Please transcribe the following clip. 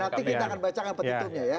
nanti kita akan bacakan petitumnya ya